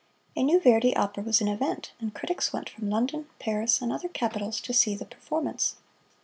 A new Verdi opera was an event, and critics went from London, Paris, and other capitals to see the performance.